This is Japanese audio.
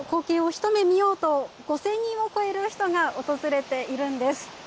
毎年この光景を一目見ようと５千人を超える人が訪れているんです。